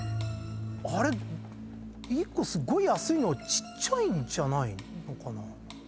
あれ１個すごい安いのちっちゃいんじゃないのかな。